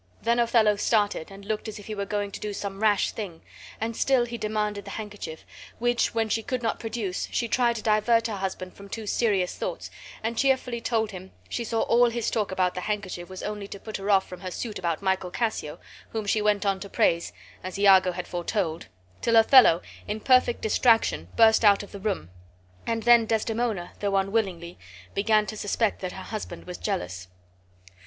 Then Othello started and looked as if he were going to do some rash thing, and still he demanded the handkerchief, which when she could not produce, she tried to divert her husband from too serious thoughts, and cheerfully told him she saw all his talk about the handkerchief was only to put her off from her suit about Michael Cassio, whom she went on to praise (as Iago had foretold), till Othello in perfect distraction burst out of the room, and then Desdemona, though unwillingly, began to suspect that her lord was jealous.